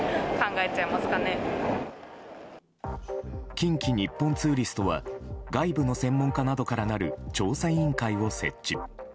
近畿日本ツーリストは外部の専門家などからなる調査委員会を設置。